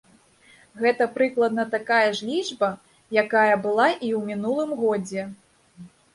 Гэта прыкладна такая ж лічба, якая была і ў мінулым годзе.